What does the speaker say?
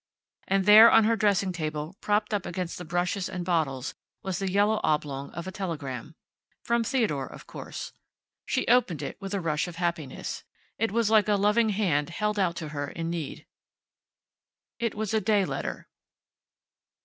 And there, on her dressing table, propped up against the brushes and bottles, was the yellow oblong of a telegram. From Theodore of course. She opened it with a rush of happiness. It was like a loving hand held out to her in need. It was a day letter.